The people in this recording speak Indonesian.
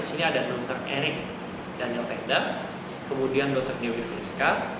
di sini ada dokter erik daniel tenda kemudian dokter dewi fisca